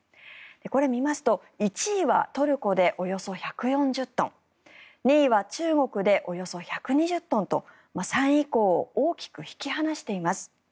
これを見ますと１位はトルコでおよそ１４０トン２位は中国でおよそ１２０トンと３位以降を大きく引き離しています。